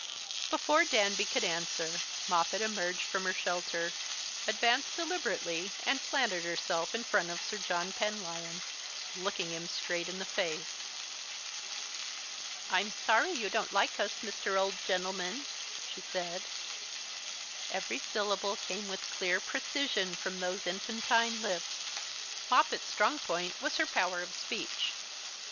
Before Danby could answer, Moppet emerged from her shelter, advanced deliberately, and planted herself in front of Sir John Penlyon, looking him straight in the face. "I'm sorry you don't like us, Mr. Old Gentleman," she said. Every syllable came with clear precision from those infantine lips. Moppet's strong point was her power of speech.